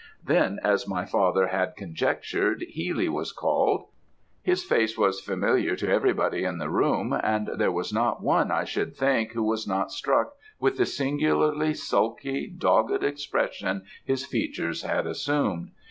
Then, as my father had conjectured, Healy was called; his face was familiar to everybody in the room, and there was not one I should think who was not struck with the singularly sulky, dogged expression his features had assumed.